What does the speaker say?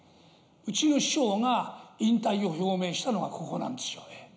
うちの師匠が引退を表明したのがここなんですよ。